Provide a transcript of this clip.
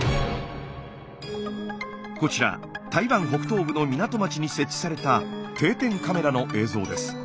こちら台湾北東部の港町に設置された定点カメラの映像です。